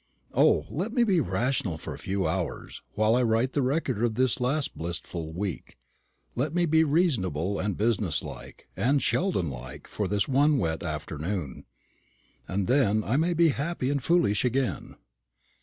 O, let me be rational for a few hours, while I write the record of this last blissful week; let me be reasonable, and business like, and Sheldon like for this one wet afternoon, and then I may be happy and foolish again.